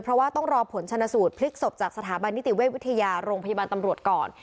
เพราะว่าต้องรอผลชนสูตรพลิกศพจากสถาบันนิติเวชวิทยาโรงพยาบาลตำรวจก่อน